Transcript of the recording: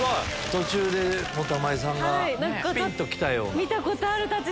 途中で玉井さんがピンときたような。